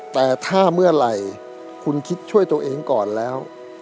แต่ถ้าเมื่อไหร่คุณคิดช่วยตัวเองก่อนแล้ว